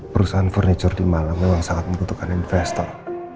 perusahaan furniture di malang memang sangat membutuhkan investor